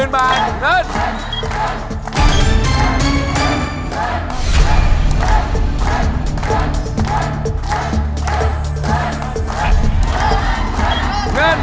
๑๐๐๐๐บาทเงิน